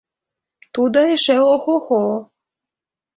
Тудо эше — охо-хо!